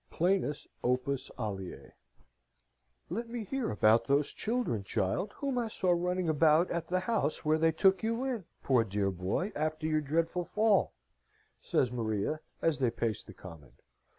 Plenus Opus Aleae "Let me hear about those children, child, whom I saw running about at the house where they took you in, poor dear boy, after your dreadful fall?" says Maria, as they paced the common.